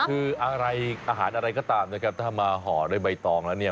คืออะไรอาหารอะไรก็ตามนะครับถ้ามาห่อด้วยใบตองแล้วเนี่ย